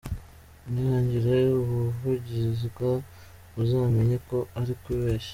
Nihagira ubivuga muzamenye ko ari kubeshya.